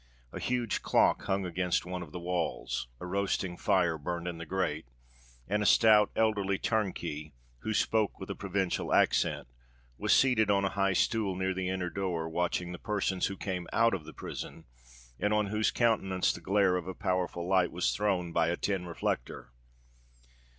A huge clock hung against one of the walls—a roasting fire burnt in the grate—and a stout, elderly turnkey, who spoke with a provincial accent, was seated on a high stool near the inner door, watching the persons who came out of the prison, and on whose countenance the glare of a powerful light was thrown by a tin reflector.